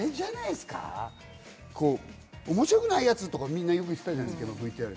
面白くないやつとか、みんな言ってたじゃないですか。